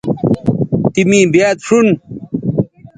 تی می بیاد شون